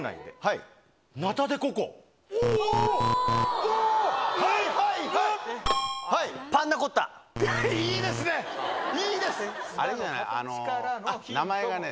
いいですね。